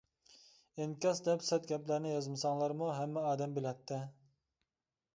ئىنكاس دەپ سەت گەپلەرنى يازمىساڭلارمۇ ھەممە ئادەم بىلەتتى.